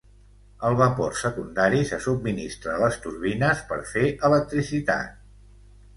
El vapor secundari se subministra a les turbines per fer electricitat.